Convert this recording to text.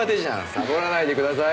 さぼらないでください。